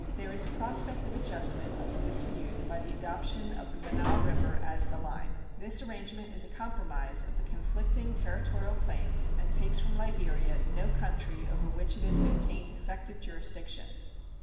There is a prospect of adjustment of the dispute by the adoption of the Mannah River as the line. This arrangement is a compromise of the conflicting territorial claims and takes from Liberia no country over which it has maintained effective jurisdiction.